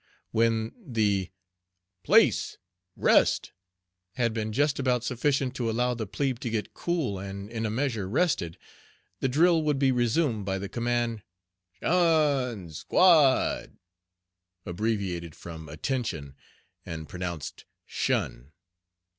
When the "place, rest" had been just about sufficient to allow the plebe to get cool and in a measure rested, the drill would be resumed by the command "'tion, squad" (abbreviated from "attention" and pronounced "shun").